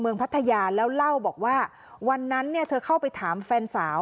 เมืองพัทยาแล้วเล่าบอกว่าวันนั้นเธอเข้าไปถามแฟนสาว